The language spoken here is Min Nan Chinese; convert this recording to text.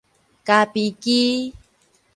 咖啡機